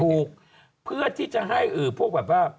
เพื่อที่จะให้พวกแบบว่า